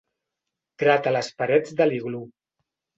Grata les parets de l'iglú.